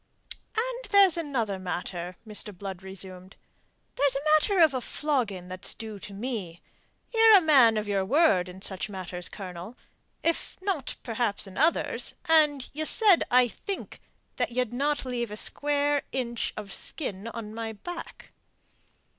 "And there's another matter," Mr. Blood resumed. "There's a matter of a flogging that's due to me. Ye're a man of your word in such matters, Colonel if not perhaps in others and ye said, I think, that ye'd not leave a square inch of skin on my back."